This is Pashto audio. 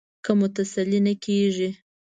که مو تسلي نه کېږي.